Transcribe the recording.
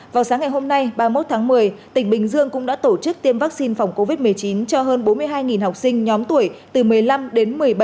vào sáng ngày hôm nay ba mươi một tháng một mươi tỉnh bình dương cũng đã tổ chức tiêm vaccine phòng covid một mươi chín cho hơn bốn mươi hai học sinh nhóm tuổi từ một mươi năm đến một mươi ba